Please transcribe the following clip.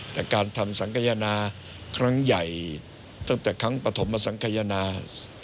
แต่การทำสังขยนาครั้งใหญ่ตั้งแต่ครั้งปฐมสังขยนา